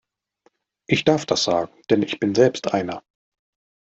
Ich darf das sagen, denn ich bin selbst einer!